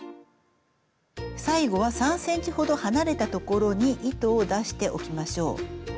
最後は３ｃｍほど離れた所に糸を出しておきましょう。